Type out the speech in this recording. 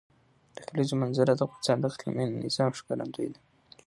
د کلیزو منظره د افغانستان د اقلیمي نظام ښکارندوی ده.